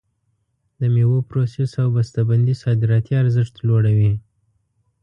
د میوو پروسس او بسته بندي صادراتي ارزښت لوړوي.